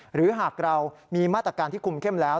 หรือหากเรามีมาตรการที่คุมเข้มแล้ว